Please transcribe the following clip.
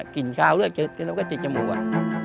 กลิ่นคาวเลือดแล้วก็ติดจมูกอะ